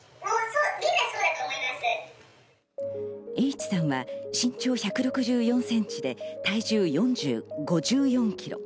Ｈさんは身長１６４ｃｍで体重５４ｋｇ。